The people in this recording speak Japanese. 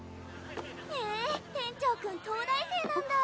・ええ店長君東大生なんだ！